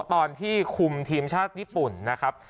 ตอนที่คุมทีมชาติญี่ปุ่นนะครับ